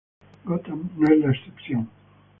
Gotham no es la excepción.